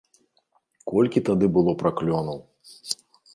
Колькі тады было праклёнаў!